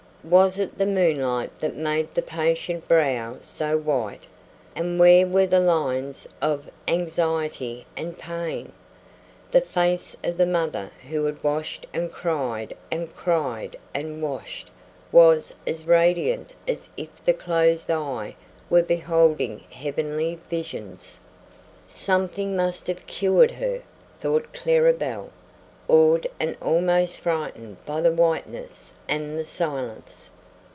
Was it the moonlight that made the patient brow so white, and where were the lines of anxiety and pain? The face of the mother who had washed and cried and cried and washed was as radiant as if the closed eye were beholding heavenly visions. "Something must have cured her!" thought Clara Belle, awed and almost frightened by the whiteness and the silence.